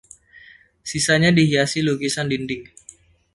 Sisanya dihiasi lukisan dinding.